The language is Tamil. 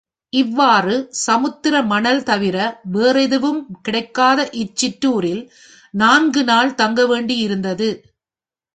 இவ்வாறு சமுத்திர மணல் தவிர வேறெதுவும் கிடைக்காத இச்சிற்றூரில் நான்கு நாள் தங்க வேண்டியிருந்தது.